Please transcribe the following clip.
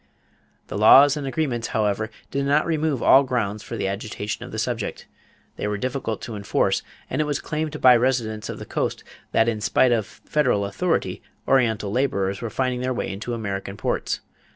These laws and agreements, however, did not remove all grounds for the agitation of the subject. They were difficult to enforce and it was claimed by residents of the Coast that in spite of federal authority Oriental laborers were finding their way into American ports.